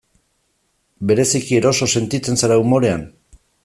Bereziki eroso sentitzen zara umorean?